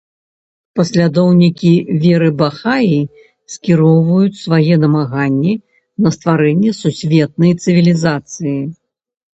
Паслядоўнікі Веры бахаі скіроўваюць свае намаганні на стварэнне сусветнай цывілізацыі